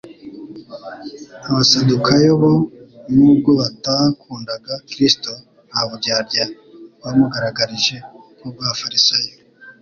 Abasadukayo bo, nubwo batakundaga Kristo nta buryarya bamugaragarije nk'ubw'abafarisayo.